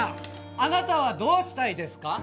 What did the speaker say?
あなたはどうしたいですか？